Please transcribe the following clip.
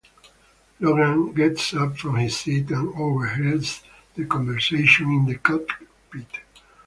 Logan gets up from his seat and overhears the conversation in the cockpit.